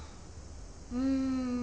うん。